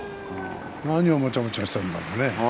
何をもちゃもちゃしているんだろうね。